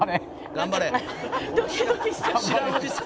「頑張れ！」